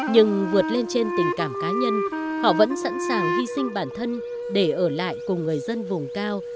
nhưng vượt lên trên tình cảm cá nhân họ vẫn sẵn sàng hy sinh bản thân để ở lại cùng người dân vùng cao